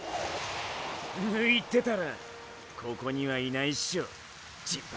抜いてたらここにはいないっショ尽八ィ！